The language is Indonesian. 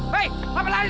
hei kenapa lari lo